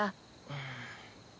うん。